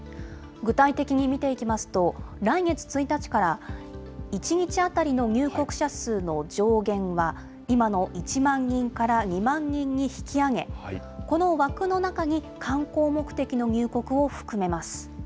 具体的に見ていきますと、来月１日から、１日当たりの入国者数の上限は、今の１万人から２万人に引き上げ、この枠の中に観光目的の入国を含めます。